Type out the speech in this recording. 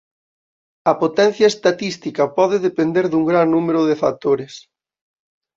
A potencia estatística pode depender dun gran número de factores.